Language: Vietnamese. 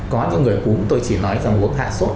có những người cúm tôi chỉ nói rằng uống hạ sốt